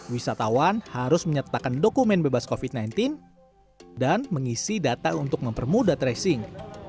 wisatawan harus menyertakan dokumen bebas covid sembilan belas dan mengisi data untuk mempermudah tracing